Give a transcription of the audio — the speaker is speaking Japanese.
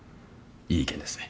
いい意見ですね。